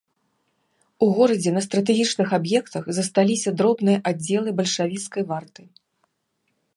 У горадзе на стратэгічных аб'ектах засталіся дробныя аддзелы бальшавіцкай варты.